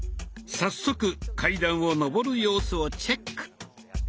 早速階段を上る様子をチェック。